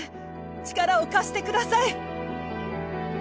力を貸してください